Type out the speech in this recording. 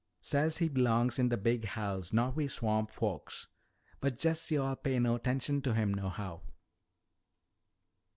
Say he belongs in de big house, not wi' swamp folks. But jest yo'all pay no 'tenshun to him nohow."